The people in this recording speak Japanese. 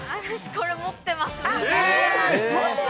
これ、持ってます。